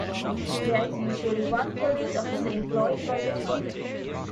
There is usually one police officer employed by the town.